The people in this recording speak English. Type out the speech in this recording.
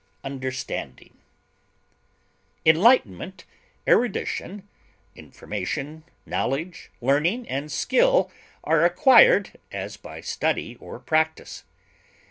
information, Enlightenment, erudition, information, knowledge, learning, and skill are acquired, as by study or practise.